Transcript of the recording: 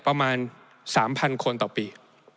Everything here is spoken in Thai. ประมาณ๓๐๐คนต่อปี